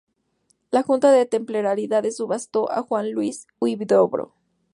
La Junta de Temporalidades subastó a Julián Ruiz Huidobro.